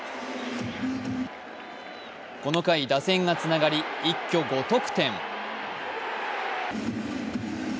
この回、打線がつながり一挙５得点。